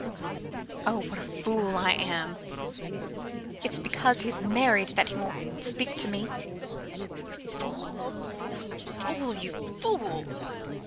Oh, what a fool I am! It's because he's married that he won't speak to me. You fool! you fool! you fool!